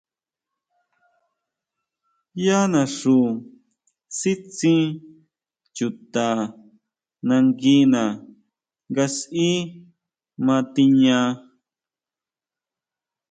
Yá naxu sítsin chuta nanguina nga sʼí ma tiña.